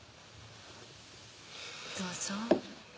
どうぞ。